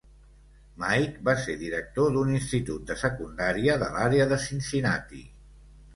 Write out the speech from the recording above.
Mike va ser director d'un institut de secundària de l'àrea de Cincinnati.